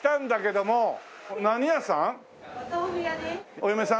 お嫁さん？